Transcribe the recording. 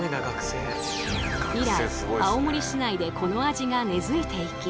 以来青森市内でこの味が根づいていき